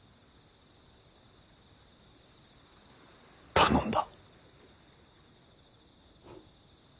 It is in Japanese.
頼んだ。